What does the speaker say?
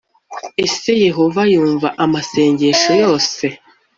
Ese Yehova yumva amasengesho yose?